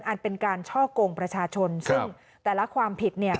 เป็นการช่อกงประชาชนซึ่งแต่ละความผิดเนี่ย